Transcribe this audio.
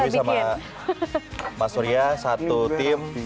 mbak dewi sama mbak surya satu tim